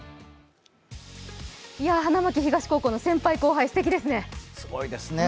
花巻東高校の先輩後輩すてきですね。